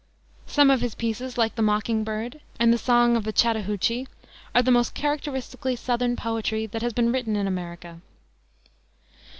Some of his pieces, like the Mocking Bird and the Song of the Chattahoochie, are the most characteristically Southern poetry that has been written in America.